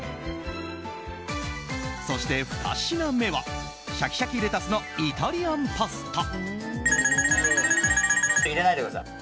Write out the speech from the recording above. そして、ふた品目はシャキシャキレタスのイタリアンパスタ。